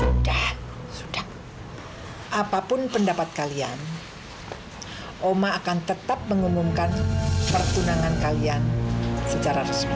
sudah sudah apapun pendapat kalian oma akan tetap mengumumkan pertunangan kalian secara resmi